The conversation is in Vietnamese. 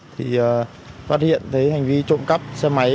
thì phát hiện thấy hành vi trộm cắp xe máy